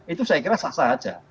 itu saya kira sah sah saja